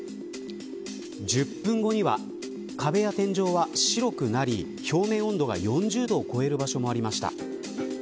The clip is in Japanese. １０分後には壁や天井は白くなり表面温度が４０度を超える場所もありました。